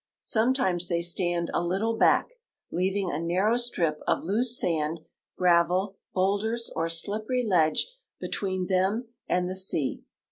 Some times they stand a little back, leaving a narrow strip of loose sand, gravel, boulders, or slippery ledge between them and the sea.